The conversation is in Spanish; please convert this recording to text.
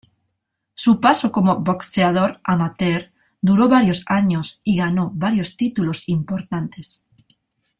Su paso como boxeador amateur duró varios años y ganó varios títulos importantes.